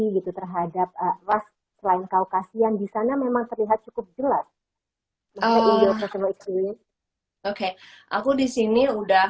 gitu terhadap wasp lain kau kasihan di sana memang terlihat cukup jelas oke aku disini udah